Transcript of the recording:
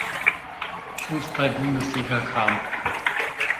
Fußball-Bundesliga kam.